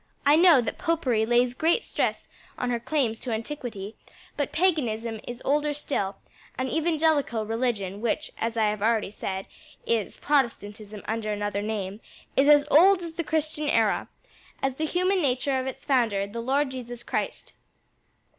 "I know that Popery lays great stress on her claims to antiquity, but Paganism is older still, and evangelical religion which, as I have already said, is Protestantism under another name is as old as the Christian Era; as the human nature of its founder, the Lord Jesus Christ."